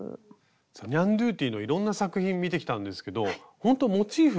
さあニャンドゥティのいろんな作品見てきたんですけどほんとモチーフ。